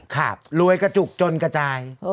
ค่ะรวยก็จุกจนกระจาย